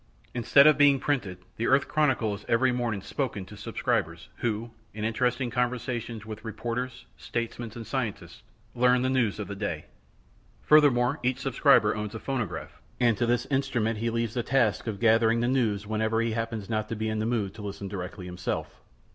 Instead of being printed, the Earth Chronicle is every morning spoken to subscribers, who, in interesting conversations with reporters, statesmen, and scientists, learn the news of the day. Furthermore, each subscriber owns a phonograph, and to this instrument he leaves the task of gathering the news whenever he happens not to be in a mood to listen directly himself.